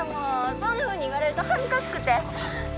そんなふうに言われると恥ずかしくて。